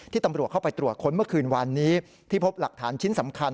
ตำรวจเข้าไปตรวจค้นเมื่อคืนวันนี้ที่พบหลักฐานชิ้นสำคัญ